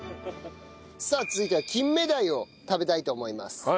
さあ続いては金目鯛を食べたいと思います。